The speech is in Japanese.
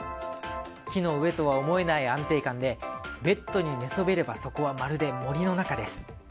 木の上とは思えない安定感でベッドに寝そべればそこはまるで森の中です。